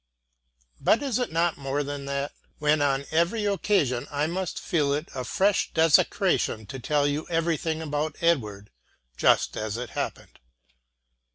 But is it not more than that, when on every occasion I must feel it a fresh desecration to tell you everything about Edward, just as it happened?